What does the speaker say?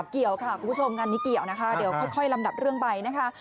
เกี่ยวค่ะคุณผู้ชมงานนี้เกี่ยวนะคะเดี๋ยวค่อยลำดับเรื่องไปนะคะ